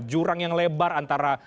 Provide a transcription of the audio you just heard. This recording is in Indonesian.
jurang yang lebar antara